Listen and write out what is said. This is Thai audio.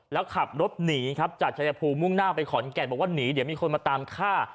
แล้วขับรถหนีครับจากชายภูมิมุ่งหน้าไปขอนแก่นบอกว่าหนีเดี๋ยวมีคนมาตามฆ่า